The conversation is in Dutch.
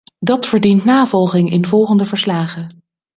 Dat verdient navolging in volgende verslagen.